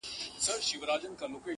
شګوفې وغوړیږي ښکلي سي سبا ته نه وي!